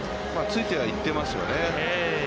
ついてはいってますよね。